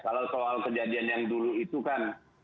kalau soal kejadian yang dulu itu kan